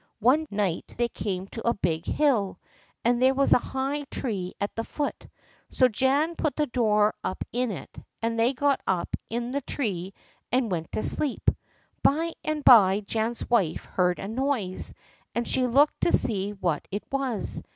One night they came to a big hill, and there was a high tree at the foot. So Jan put the door up in it, and they got up in the tree and went to sleep. By and by Jan's wife heard a noise, and she looked to see what it was.